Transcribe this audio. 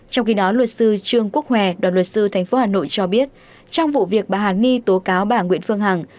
trong khi đó luật sư trương quốc hòe đoàn luật sư tp hà nội cho biết trong vụ việc bà hà ni tố cáo bà nguyễn phương hằng